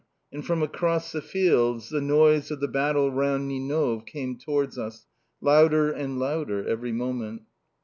_" And from across the fields the noise of the battle round Ninove came towards us, louder and louder every moment.